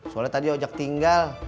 soalnya tadi ojak tinggal